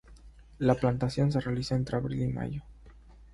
La plantación se realiza entre abril y mayo.